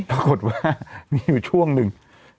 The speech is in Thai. ปรากฏว่ามีอยู่ช่วงหนึ่ง